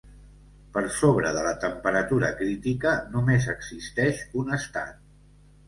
Per sobre de la temperatura crítica, només existeix un estat.